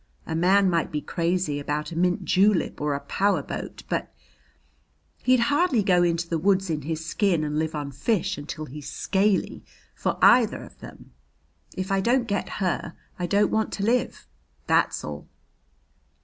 A man might be crazy about a mint julep or a power boat, but he'd hardly go into the woods in his skin and live on fish until he's scaly for either of them. If I don't get her, I don't want to live. That's all."